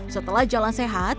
setelah jalan sehat